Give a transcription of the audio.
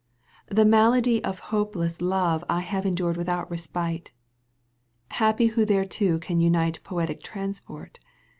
The malady of hopeless love • I have endured without respite, Happy who thereto can imite i Poetic transport.